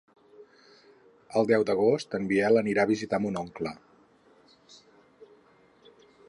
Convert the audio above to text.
El deu d'agost en Biel anirà a visitar mon oncle.